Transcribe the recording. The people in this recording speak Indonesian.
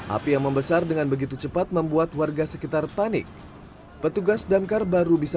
api yang membesar dengan begitu cepat membuat warga sekitar panik petugas damkar baru bisa